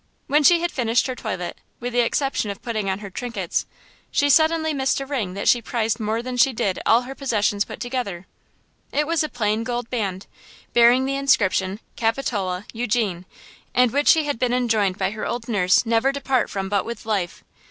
When she had finished her toilet, with the exception of putting on her trinkets, she suddenly missed a ring that she prized more than she did all her possessions put together–it was a plain gold band, bearing the inscription Capitola Eugene, and which she had been enjoined by her old nurse never to part from but with life.